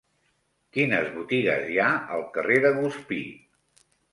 Quines botigues hi ha al carrer de Guspí?